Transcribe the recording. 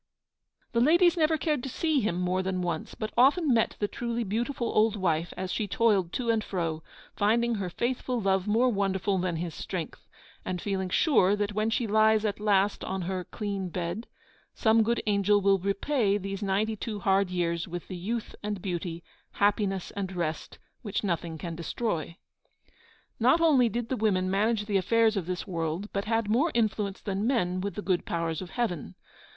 The ladies never cared to see him more than once, but often met the truly beautiful old wife as she toiled to and fro, finding her faithful love more wonderful than his strength, and feeling sure that when she lies at last on her 'clean bed,' some good angel will repay these ninety two hard years with the youth and beauty, happiness and rest, which nothing can destroy. Not only did the women manage the affairs of this world, but had more influence than men with the good powers of heaven.